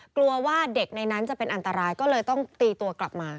กลัวว่าเด็กในนั้นจะเป็นอันตรายก็เลยต้องตีตัวกลับมา